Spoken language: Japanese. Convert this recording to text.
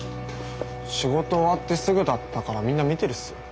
仕事終わってすぐだったからみんな見てるっすよ。